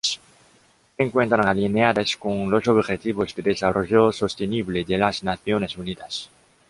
Se encuentran alineadas con los Objetivos de Desarrollo Sostenible de las Naciones Unidas.